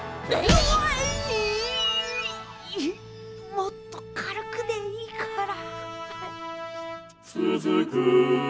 もっと軽くでいいから。